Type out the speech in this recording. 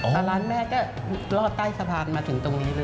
ตอนนั้นแม่ก็รอดใต้สะพานมาถึงตรงนี้เลย